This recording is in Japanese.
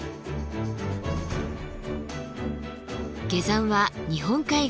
下山は日本海側へ。